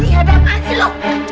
gak ada apaan sih lo